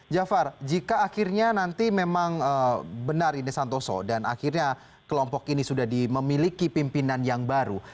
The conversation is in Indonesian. jafar jika akhirnya nanti memang benar ini santoso dan akhirnya kelompok ini sudah memiliki pimpinan yang baru